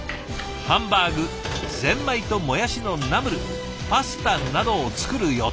ハンバーグゼンマイともやしのナムルパスタなどを作る予定。